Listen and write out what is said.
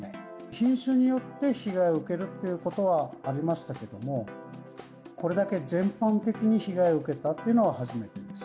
品種によって被害を受けるっていうことはありましたけれども、これだけ全般的に被害を受けたっていうのは、初めてです。